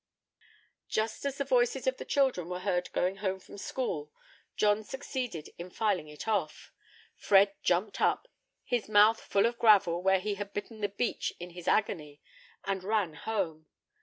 Just as the voices of the children were heard going home from school, John succeeded in filing it off. Fred jumped up, his mouth full of gravel, where he had bitten the beach in his agony, and ran home.